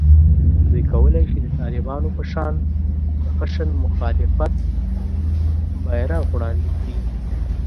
دوی کولای شي د طالبانو په شان د خشن مخالفت بېرغ وړاندې کړي